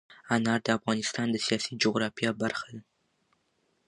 انار د افغانستان د سیاسي جغرافیه برخه ده.